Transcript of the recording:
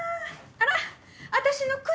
あら？